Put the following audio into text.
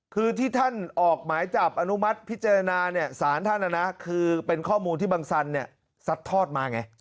คือที่ท่านออกหมายจับอนุมัติพิจารณาเนี่ยสารท่านคือเป็นข้อมูลที่บังสันสัดทอดมาไง